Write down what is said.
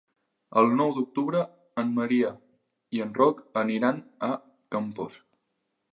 El nou d'octubre en Maria i en Roc aniran a Campos.